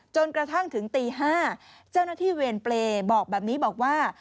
จนกระทั่งถึงตี๕เจ้าหน้าที่เวรเปรย์บอกแบบนี้บอกว่า